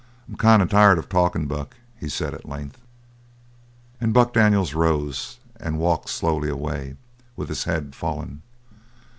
"I'm kind of tired of talkin', Buck," he said at length. And Buck Daniels rose and walked slowly away, with his head fallen.